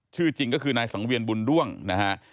ชื่อจริงก็คือนายสังเวียนบุญด้วงนะฮะ